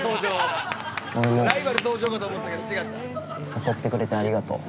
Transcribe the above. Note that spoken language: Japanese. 誘ってくれてありがとう。